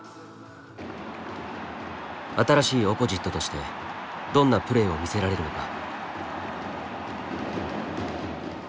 新しいオポジットとしてどんなプレーを見せられるのか。